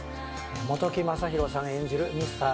本木雅弘さん演じるミスター